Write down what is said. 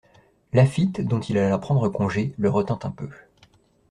Laffitte, dont il alla prendre congé, le retint un peu.